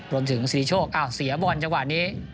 รวมถึงสิริโชคอ้าวเสียบอลจังหวะนี้